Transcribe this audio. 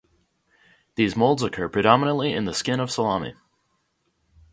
These molds occur predominantly in the skin of salami.